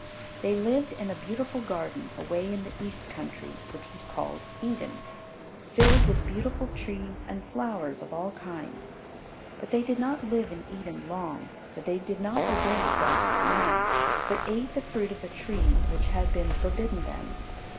They lived in a beautiful Garden away in the East Country which was called Eden, filled with beautiful trees and flowers of all kinds. But they did not live in Eden long for they did not obey God's command, but ate the fruit of a tree which had been forbidden them.